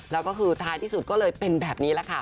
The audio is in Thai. แล้วก็คือท้ายที่สุดก็เลยเป็นแบบนี้แหละค่ะ